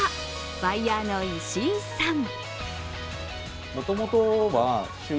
バイヤーの石井さん。